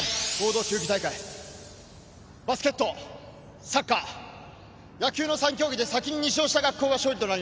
バスケットサッカー野球の３競技で先に２勝した学校が勝利となります。